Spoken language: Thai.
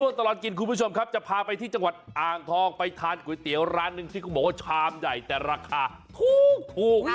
ตลอดกินคุณผู้ชมครับจะพาไปที่จังหวัดอ่างทองไปทานก๋วยเตี๋ยวร้านหนึ่งที่เขาบอกว่าชามใหญ่แต่ราคาถูก